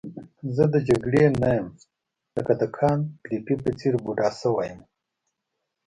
زه د جګړې نه یم لکه د کانت ګریفي په څېر بوډا شوی یم.